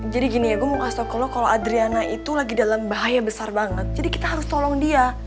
jadi gini ya gue mau kasih tau ke lu kalo adriana itu lagi dalam bahaya besar banget jadi kita harus tolong dia